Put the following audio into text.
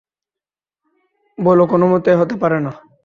বোলো কোনোমতে হতেই পারে না।